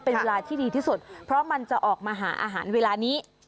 เป็นเวลาที่ดีที่สุดเพราะมันจะออกมาหาอาหารเวลานี้